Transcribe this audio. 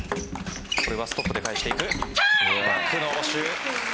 これはストップで返していく。